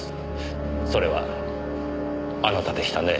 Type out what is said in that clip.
それはあなたでしたねえ